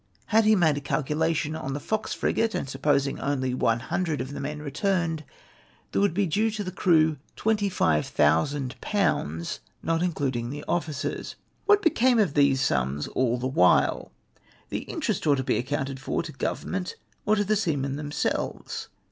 He had made a calculation on the Fox frigate, and supposing only one hundred of the men returned, there would be due to the crew 25,000/., not in cludinof the officers. What became of these sums all the while ? The interest ought to be accounted for to Grovern ment or to the seamen themselves.